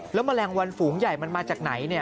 แล้วแมลงวันฝูงใหญ่มันมาจากไหน